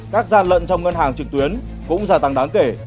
các gian lận trong ngân hàng trực tuyến cũng gia tăng đáng kể